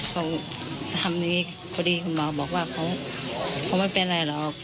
เขาทำนี้พอดีคุณหมอบอกว่าเขาไม่เป็นไรหรอก